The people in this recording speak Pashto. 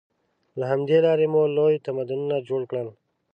له همدې لارې مو لوی تمدنونه جوړ کړل.